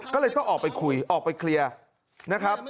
ก็เลยต้องออกไปคุยออกไปเคลียร์นะครับ